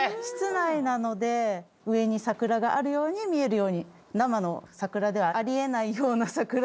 室内なので上に桜があるように見えるように生の桜ではあり得ないような桜。